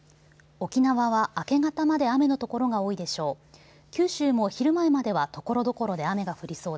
沖縄は明け方まで雨の所が多いでしょう。